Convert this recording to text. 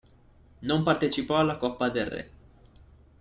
Non partecipò alla Coppa del Re.